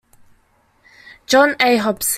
John A. Hobson.